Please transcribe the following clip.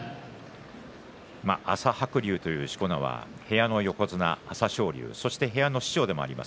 朝白龍というしこ名は部屋の横綱朝青龍、そして部屋の師匠であります